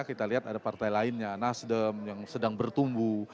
kita lihat ada partai lainnya nasdem yang sedang bertumbuh